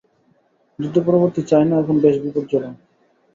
যুদ্ধ পরবর্তী চায়না এখন বেশ বিপজ্জনক।